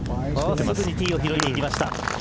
すぐにティーを拾いにいきました。